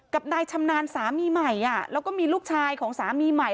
นายชำนาญสามีใหม่แล้วก็มีลูกชายของสามีใหม่